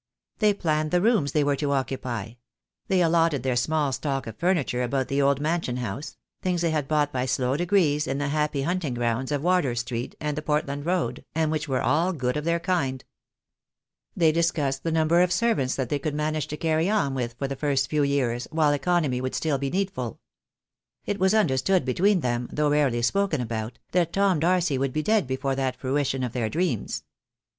They planned the rooms they were to occupy; they allotted their small stock of furniture about the old mansion house — things they had bought by slow degrees in the happy hunting grounds of Wardour Street and the Portland Road, and which were all good of their kind. They discussed the number of servants that they could manage to carry on with for the first few years, while economy would still be needful. It was understood between them, though rarely spoken about, that Tom Darcy would be dead before that fruition of their dreams.